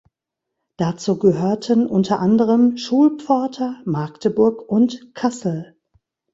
Dazu gehörten unter anderem Schulpforta, Magdeburg und Kassel.